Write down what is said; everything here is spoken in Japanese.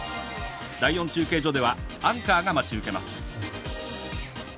第４中継所ではアンカーが待ち受けます。